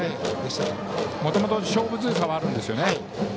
もともと勝負強さはあるんですよね。